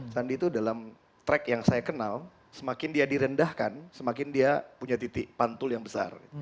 sandi itu dalam track yang saya kenal semakin dia direndahkan semakin dia punya titik pantul yang besar